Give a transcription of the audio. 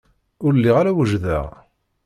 Ur lliɣ ara wejdeɣ.